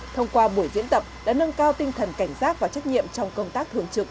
thông qua buổi diễn tập đã nâng cao tinh thần cảnh giác và trách nhiệm trong công tác thường trực